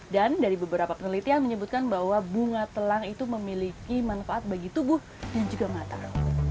dan dari beberapa penelitian menyebutkan bahwa bunga telang itu memiliki manfaat bagi tubuh yang juga matah